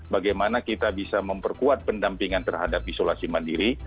bagaimana kita bisa memperkuat pendampingan terhadap isolasi mandiri